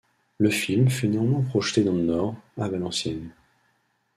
Le film fut néanmoins projeté dans le Nord, à Valenciennes.